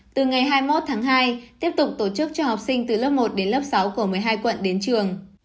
từ ngày hai mươi một tháng hai tiếp tục tổ chức cho học sinh từ lớp một đến lớp sáu của một mươi hai quận đến trường